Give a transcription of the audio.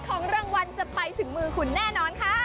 ของรางวัลจะไปถึงมือคุณแน่นอนค่ะ